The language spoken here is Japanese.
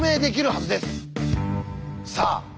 さあ